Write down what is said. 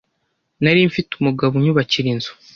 Nari mfite umugabo unyubakira inzu.